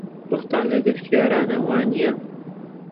ڕقتان لە گەشتیارانە، وانییە؟